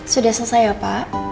sudah selesai pak